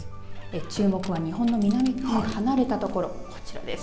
注目は日本の南に離れた所、こちらです。